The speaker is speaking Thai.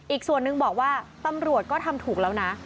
อีกส่วนนึงบอกว่าตำรวจก็ทำถูกแล้วนะ